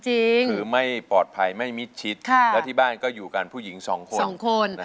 คือไม่ปลอดภัยไม่มิดชิดแล้วที่บ้านก็อยู่กันผู้หญิงสองคน